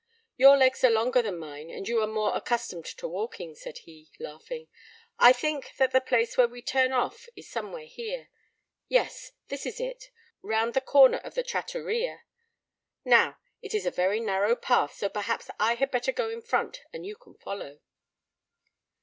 "Your legs are longer than mine, and you are more accustomed to walking," said he, laughing. "I think that the place where we turn off is somewhere here. Yes, this is it, round the corner of the trattoria. Now, it is a very narrow path, so perhaps I had better go in front and you can follow."